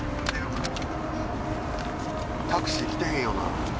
タクシー来てへんよな？